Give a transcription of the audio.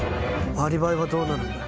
アリバイはどうなるんだよ？